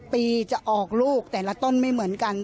ปีจะออกลูกแต่ละต้นไม่เหมือนกัน